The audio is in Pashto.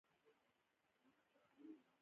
لندن ته په تګ سره یې خپل برخلیک بدل کړ.